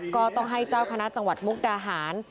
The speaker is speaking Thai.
ก็ต้องให้เจ้าคณะจังหวัดมุกดาหาร